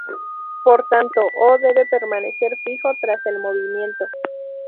Por tanto O debe permanecer fijo tras el movimiento.